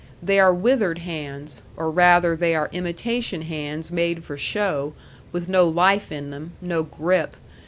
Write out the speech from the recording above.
They are withered hands, or rather they are imitation hands made for show, with no life in them, no grip.